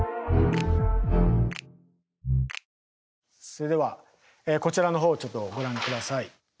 それではこちらの方をちょっとご覧下さい。